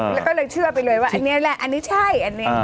แล้วก็เลยเชื่อไปเลยว่าอันนี้แหละอันนี้ใช่อันนี้